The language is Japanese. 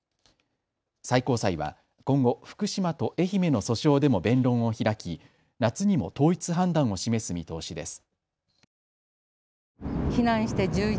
最高裁は今後、福島と愛媛の訴訟でも弁論を開き夏にも統一判断を示す見通しです。